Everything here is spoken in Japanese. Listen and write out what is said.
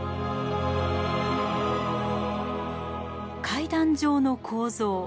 階段状の構造。